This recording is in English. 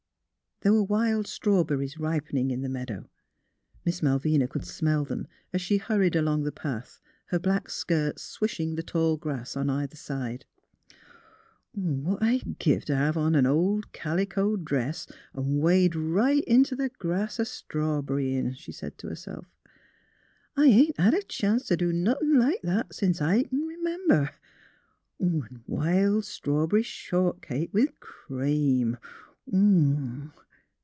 There were wild strawberries ripening in the meadow; Miss Malvina could smell them, as shei hurried along the path, her black skirts swishing the tall grass on either side. " What 'd I giv' t' hev on an ol' calico dress 'n* wade right int' th' grass a strawb'ryin'! " she said to herself. " I ain't hed a chanct t' do nothin' like that since I c'n r 'member ... 'n' wild strawb'ry shortcake, with cream — m m m!